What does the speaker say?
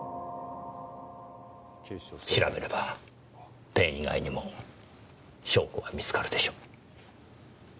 調べればペン以外にも証拠が見つかるでしょう。